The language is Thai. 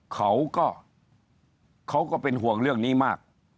เขาก็เขาก็เป็นห่วงเรื่องนี้มาก